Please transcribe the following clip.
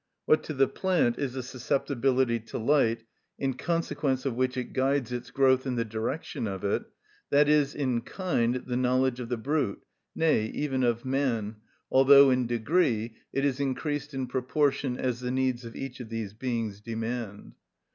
What to the plant is the susceptibility to light, in consequence of which it guides its growth in the direction of it, that is, in kind, the knowledge of the brute, nay, even of man, although in degree it is increased in proportion as the needs of each of these beings demand.